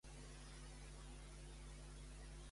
Quines possessions havia tingut antany?